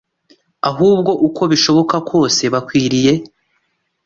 ahubwo uko bishoboka kose bakwiriye